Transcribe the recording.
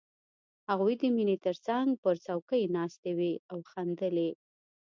هغوی د مينې تر څنګ پر څوکۍ ناستې وې او خندلې